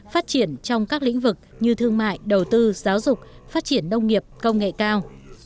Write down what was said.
phát triển trong các lĩnh vực như thương mại đầu tư giáo dục phát triển nông nghiệp công nghệ cao